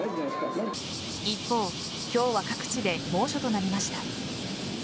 一方、今日は各地で猛暑となりました。